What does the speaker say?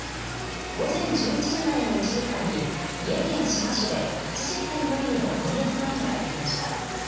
午前１１時までの１時間に三重県志摩市で８０．５ミリの猛烈な雨が降りました。